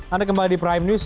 anda kembali di prime news